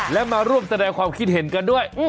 และมาร่วมแสดงความคิดเห็นกันด้วย